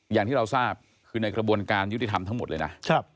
อย่างที่เราทราบคือในกระบวนการยุติธรรมทั้งหมดเลยนะ